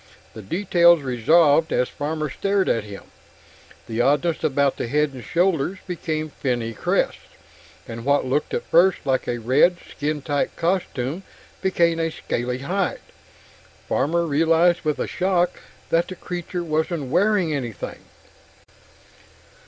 The details resolved as Farmer stared at him. The oddness about head and shoulders became finny crests; what had looked at first like a red skin tight costume became a scaly hide. Farmer realized with a shock that the creature wasn't wearing anything.